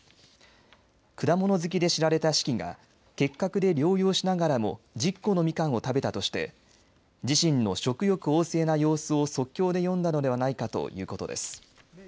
果物好きで知られた子規が結核で療養しながらも１０個のみかんを食べたとして自身の食欲旺盛な様子を即興で詠んだのではないかということです。